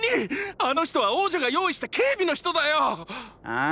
あの人は王女が用意した警備の人だよ！！あン？